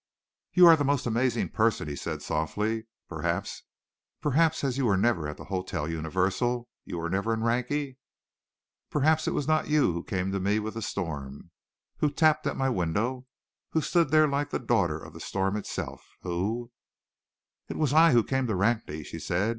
"You are the most amazing person!" he said softly. "Perhaps, as you were never at the Hotel Universal, you were never in Rakney? Perhaps it was not you who came to me with the storm, who tapped at my window, who stood there like the daughter of the storm itself, who " "It was I who came to Rakney," she said.